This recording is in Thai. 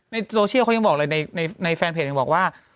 ในโซเชียลเขายังบอกเลยในแฟนเพจยังบอกว่า